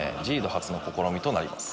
初の試みとなります。